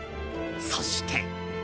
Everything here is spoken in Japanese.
そして。